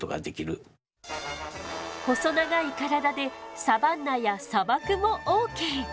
細長い体でサバンナや砂漠もオーケー。